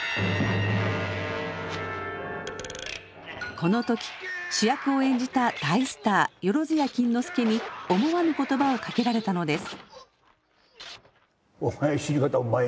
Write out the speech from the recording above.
この時主役を演じた大スター萬屋錦之介に思わぬ言葉をかけられたのです。